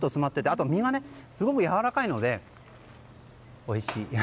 あと、身がとてもやわらかいのでおいしい。